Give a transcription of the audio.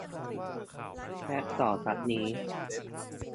และต่อจากนี้